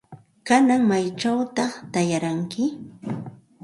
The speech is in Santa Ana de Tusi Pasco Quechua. ¿Kanan maychawta taaranki?